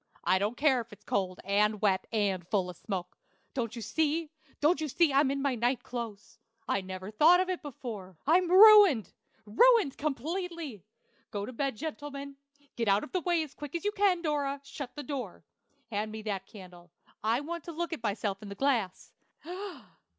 I don't care if it is cold, and wet, and full of smoke. Don't you see don't you see I'm in my night clothes? I never thought of it before. I'm ruined, ruined completely! Go to bed, gentlemen; get out of the way as quick as you can Dora, shut the door. Hand me that candle; I want to look at myself in the glass.